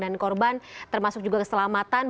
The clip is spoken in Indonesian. dan korban termasuk juga keselamatan